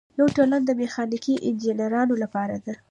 یوه ټولنه د میخانیکي انجینرانو لپاره ده.